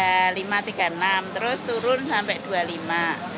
tiga lima tiga enam terus turun sampai dua lima